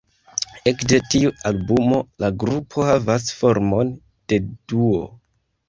Ekde tiu albumo la grupo havas formon de duo.